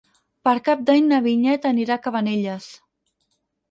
Per Cap d'Any na Vinyet anirà a Cabanelles.